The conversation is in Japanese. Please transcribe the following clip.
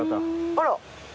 あら！